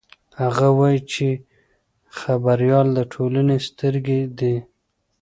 هغه وایي چې خبریال د ټولنې سترګې دي.